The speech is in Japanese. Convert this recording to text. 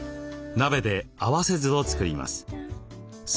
鍋で合わせ酢をつくります。